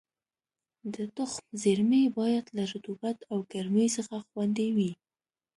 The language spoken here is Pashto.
د تخم زېرمې باید له رطوبت او ګرمۍ څخه خوندي وي.